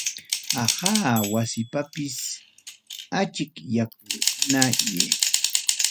Aqa wasipipas achikyakunay.